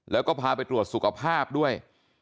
แล้วก็พาไปตรวจสุขภาพด้วย